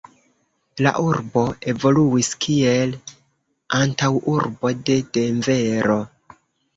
La urbo evoluis kiel antaŭurbo de Denvero.